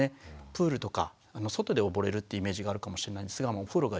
プールとか外で溺れるっていうイメージがあるかもしれないんですがお風呂が一番